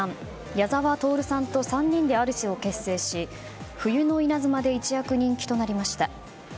矢沢透さんと３人でアリスを結成し「冬の稲妻」で一躍人気になりました。